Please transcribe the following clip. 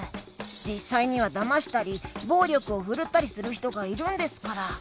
じっさいにはだましたりぼうりょくをふるったりするひとがいるんですから。